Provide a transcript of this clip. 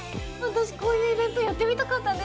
私こういうイベントやってみたかったんです！